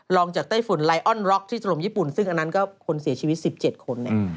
จากไต้ฝุ่นไลออนร็อกที่ถล่มญี่ปุ่นซึ่งอันนั้นก็คนเสียชีวิต๑๗คน